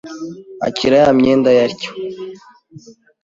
Akira ya myenda ye atyo